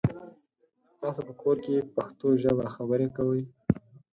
تاسو په کور کې پښتو ژبه خبري کوی؟